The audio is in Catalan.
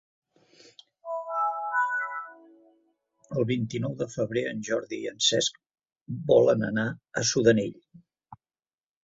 El vint-i-nou de febrer en Jordi i en Cesc volen anar a Sudanell.